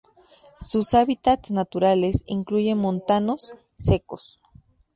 Sus hábitats naturales incluyen montanos secos.